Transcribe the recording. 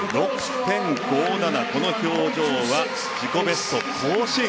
この表情は自己ベスト更新。